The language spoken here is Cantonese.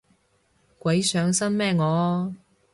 鬼上身咩我